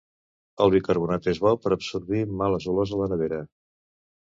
El bicarbonat és bo per absorbir males olors a la nevera.